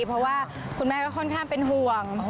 เพราะว่าคุณแม่ก็ค่อนข้างเป็นห่วง